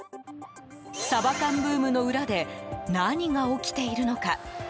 サバ缶ブームの裏で何が起きているのか。